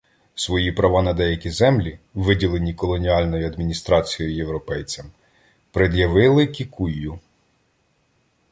Свої права на деякі землі, виділені колоніальною адміністрацією європейцям, пред'явили кікуйю.